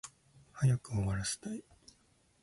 早く終わらせたい